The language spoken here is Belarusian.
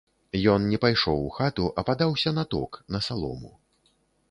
Ён не пайшоў у хату, а падаўся на ток, на салому.